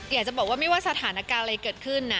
อยากจะบอกว่าไม่ว่าสถานการณ์อะไรเกิดขึ้น